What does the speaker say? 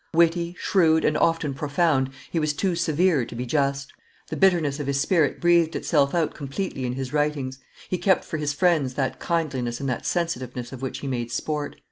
Witty, shrewd, and often profound, he was too severe to be just. The bitterness of his spirit breathed itself out completely in his writings; he kept for his friends that kindliness and that sensitiveness of which he made sport.